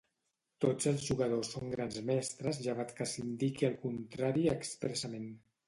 Tots els jugadors són Grans Mestres llevat que s'indiqui el contrari expressament.